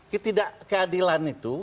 ketidak keadilan itu